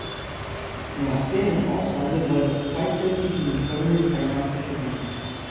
Nach deren Aussage soll das Preisgeld sich in den folgenden drei Jahren verdoppeln.